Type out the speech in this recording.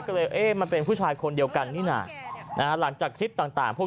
ก็เลยเอ็มอันเป็นผู้ชายคนเดียวกันนี่นะเรื่องหลังจากพิธีต่าง